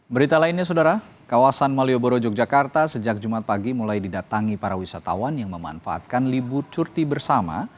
berita lainnya saudara kawasan malioboro yogyakarta sejak jumat pagi mulai didatangi para wisatawan yang memanfaatkan libur cuti bersama